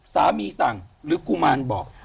ซ้าวิสังหรือกุมารบอก